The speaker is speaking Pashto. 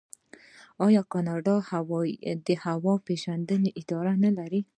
آیا کاناډا د هوا پیژندنې اداره نلري؟